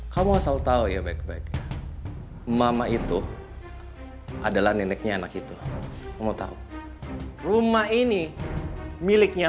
kamu asal tahu ya baik baik mama itu adalah neneknya anak itu kamu tahu rumah ini miliknya